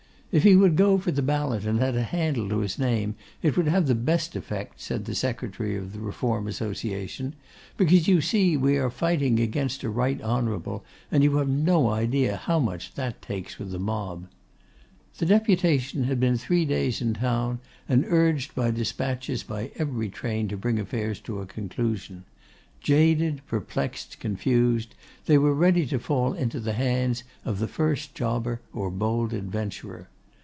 'If he would go for the ballot and had a handle to his name, it would have the best effect,' said the secretary of the Reform Association, 'because you see we are fighting against a Right Honourable, and you have no idea how that takes with the mob.' The deputation had been three days in town, and urged by despatches by every train to bring affairs to a conclusion; jaded, perplexed, confused, they were ready to fall into the hands of the first jobber or bold adventurer.